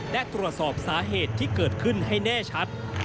และตรวจสอบสาเหตุที่เกิดขึ้นให้แน่ชัด